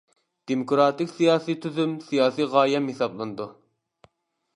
دېموكراتىك سىياسىي تۈزۈم سىياسىي غايەم ھېسابلىنىدۇ.